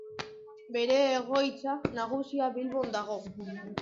Bere egoitza nagusia Bilbon dago.